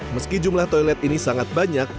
meski jumlah toilet ini sangat banyak